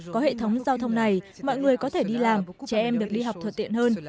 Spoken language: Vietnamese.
có hệ thống giao thông này mọi người có thể đi làm trẻ em được đi học thuật tiện hơn